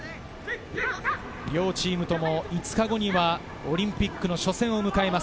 両チームとも５日後にはオリンピックの初戦を迎えます。